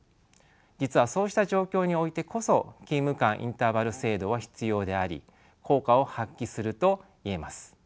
実はそうした状況においてこそ勤務間インターバル制度は必要であり効果を発揮すると言えます。